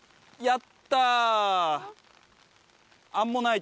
やった！